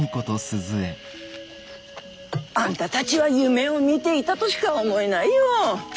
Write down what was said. あんたたちは夢を見ていたとしか思えないよ。